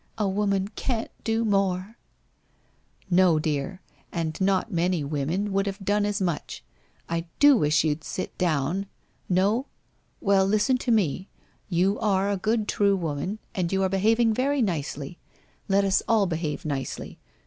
A woman can't do more !'' No, dear, and not many women would have done as much. I do wish you'd sit down? No? Well listen to me, you are a good true woman, and you are behaving very nicely. Let us all behave nicely.